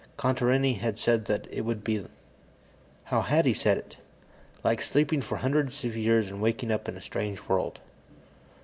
Contarini had said that it would be ... how had he said it? "Like sleeping for hundreds of years and waking up in a strange world."